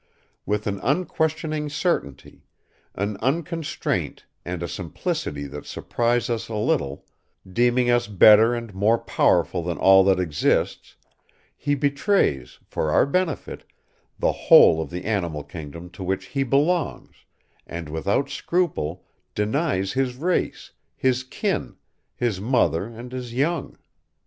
With an unquestioning certainty, an unconstraint and a simplicity that surprise us a little, deeming us better and more powerful than all that exists, he betrays, for our benefit, the whole of the animal kingdom to which he belongs and, without scruple, denies his race, his kin, his mother and his young.